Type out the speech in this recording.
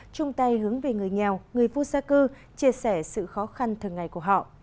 chung tay hướng về người nghèo người vô gia cư chia sẻ sự khó khăn thường ngày của họ